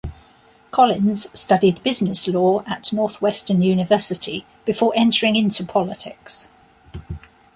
Collins studied business law at Northwestern University before entering into politics.